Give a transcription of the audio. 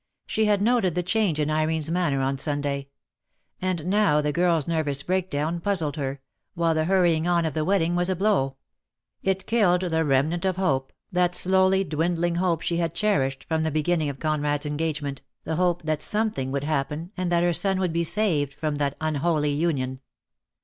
She had noted the change in Irene's manner on Sunday. And now the girl's nervous breakdown puzzled her, while the hurrying on of the wedding was a blow. It killed the remnant of hope, that slowly dwindling hope she had cherished from the beginning of Con rad's engagement, the hope that something would DEAD LOVE HAS CHAINS. ^07 _ happen, and that her son would be saved from that unholy union.